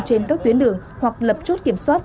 trên các tuyến đường hoặc lập chút kiểm soát